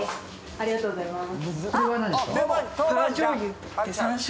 ありがとうございます。